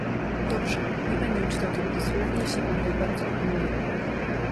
"Dobrze, nie będę czytał tego dosłownie, jeśli pan tak bardzo oponuje."